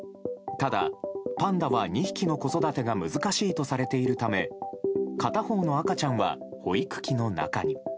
ただパンダは２匹の子育てが難しいとされているため片方の赤ちゃんは保育器の中に。